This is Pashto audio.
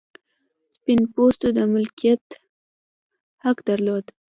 سپین پوستو د مالکیت حق درلود.